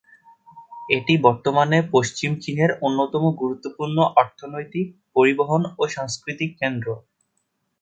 এটি বর্তমানে পশ্চিম চীনের অন্যতম গুরুত্বপূর্ণ অর্থনৈতিক, পরিবহন ও সাংস্কৃতিক কেন্দ্র।